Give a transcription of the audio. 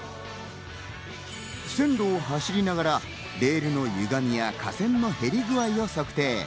線路を走りながらレールのゆがみや架線の減り具合を測定。